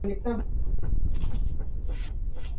Esta catedral es sede de la diócesis católica de Dresde-Meißen.